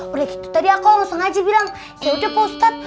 udah gitu tadi aku langsung aja bilang yaudah opa ustadz